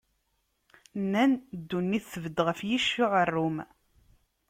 Nnan ddunit tbedd ɣef yicc uɛerrum.